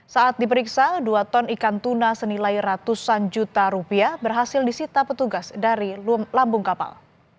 saat diperiksa dua ton ikan tuna senilai ratusan juta rupiah berhasil disita petugas dari lambung kapal